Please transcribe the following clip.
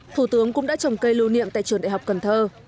thủ tướng cũng đã trồng cây lưu niệm tại trường đại học cần thơ